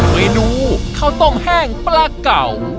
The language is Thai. เมนูข้าวต้มแห้งปลาเก่า